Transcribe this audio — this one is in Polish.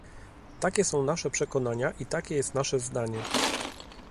Takie są nasze przekonania i takie jest nasze zdanie